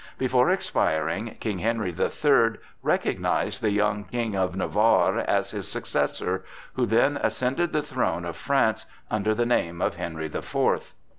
Before expiring, King Henry the Third recognized the young King of Navarre as his successor, who then ascended the throne of France under the name of Henry the Fourth.